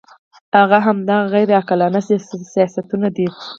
هغه همدا غیر عقلاني سیاستونه دي.